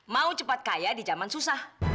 mau cepat kaya di zaman susah